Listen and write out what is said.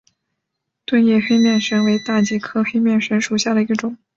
钝叶黑面神为大戟科黑面神属下的一个种。